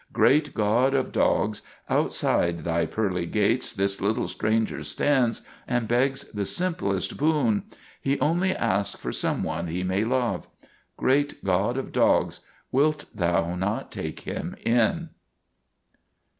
Great God of Dogs, outside thy pearly gates this little stranger stands and begs the simplest boon. He only asks for some one he may love. Great God of Dogs, wilt thou not take him in?